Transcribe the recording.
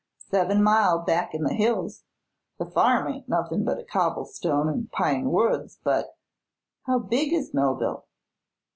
"Seven mile back in the hills. The farm ain't nuthin' but cobblestone an' pine woods, but " "How big is Millville?"